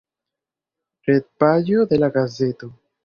Retpaĝo de la gazeto.